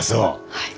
はい。